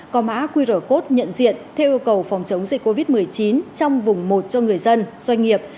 có mã qr code nhận diện theo yêu cầu phòng chống dịch covid một mươi chín trong vùng một cho người dân doanh nghiệp